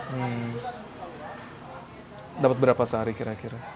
hmm dapat berapa sehari kira kira